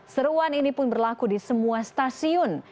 seruan ini pun berlaku di semua stasiun